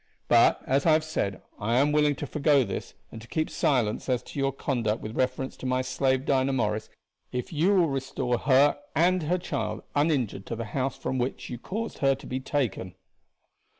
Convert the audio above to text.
But, as I have said, I am willing to forego this and to keep silence as to your conduct with reference to my slave Dinah Morris, if you will restore her and her child uninjured to the house from which you caused her to be taken."